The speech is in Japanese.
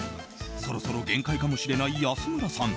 そろそろ限界かもしれない安村さん。